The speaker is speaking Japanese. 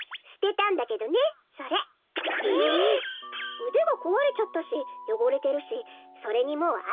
うでがこわれちゃったしよごれてるしそれにもうあきちゃったしね。